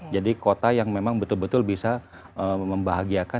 jadi kota yang memang betul betul bisa membahagiakan